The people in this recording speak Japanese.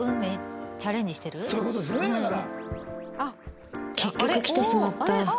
そういう事ですよねだから。